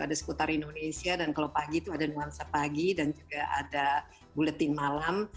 ada seputar indonesia dan kalau pagi itu ada nuansa pagi dan juga ada buletin malam